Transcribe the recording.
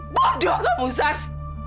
bodoh kamu sas